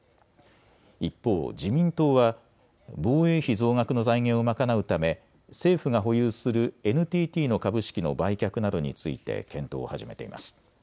一方、自民党は防衛費増額の財源を賄うため政府が保有するＮＴＴの株式の売却などについて検討を始めています。